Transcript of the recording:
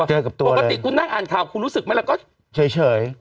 เจอกับตัวเลยปกติคุณนั่งอ่านข่าวคุณรู้สึกไหมแล้วก็เฉยเฉย